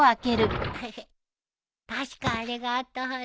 確かあれがあったはず。